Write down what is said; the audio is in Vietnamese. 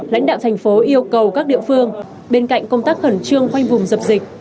lãnh đạo thành phố yêu cầu các địa phương bên cạnh công tác khẩn trương khoanh vùng dập dịch